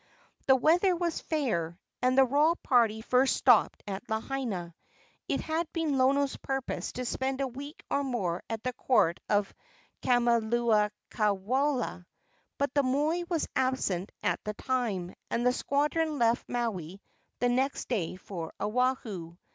The weather was fair, and the royal party first stopped at Lahaina. It had been Lono's purpose to spend a week or more at the court of Kamalalawalu, but the moi was absent at the time, and the squadron left Maui the next day for Oahu.